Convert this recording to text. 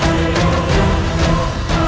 aku tak bisa